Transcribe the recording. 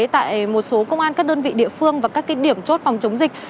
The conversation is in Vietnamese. tại một số công an các đơn vị địa phương và các điểm chốt phòng chống dịch